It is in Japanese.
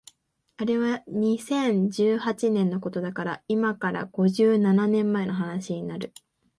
あれは二千十八年のことだから今から五十七年前の話になる